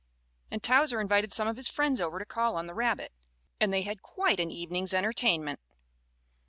And Towser invited some of his friends over to call on the rabbit, and they had quite an evening's entertainment.